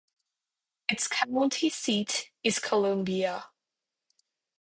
Its county seat is Columbia.